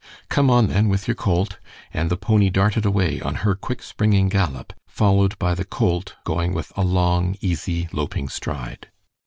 "Come on, then, with your colt"; and the pony darted away on her quick springing gallop, followed by the colt going with a long, easy, loping stride.